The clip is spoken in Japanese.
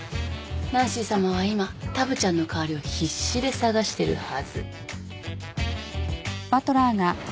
ナンシーさまは今タブちゃんの代わりを必死で探してるはず。